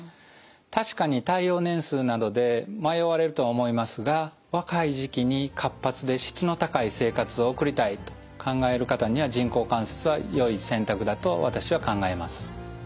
確かに耐用年数などで迷われるとは思いますが若い時期に活発で質の高い生活を送りたいと考える方には人工関節はよい選択だと私は考えます。